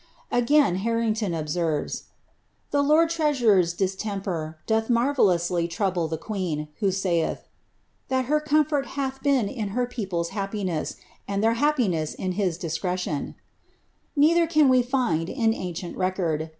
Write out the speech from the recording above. Again Harrington obseriej. '■ the lord treasurer's distemper doth marvellously trouble the queeo. who saiih, ' that her comfort liath been in her people's happiness. aaJ their happiness in his discretion,' neither can we find, in ancient recorJ.